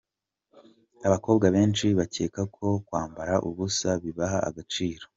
Abakobwa benshi bakeka ko kwambara ubusa bibaha agaciro.